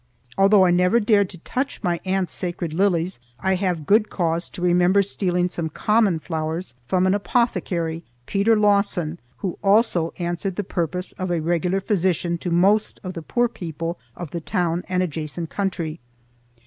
Although I never dared to touch my aunt's sacred lilies, I have good cause to remember stealing some common flowers from an apothecary, Peter Lawson, who also answered the purpose of a regular physician to most of the poor people of the town and adjacent country.